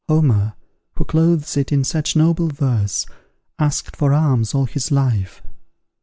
Homer, who clothes it in such noble verse, asked for alms all his life.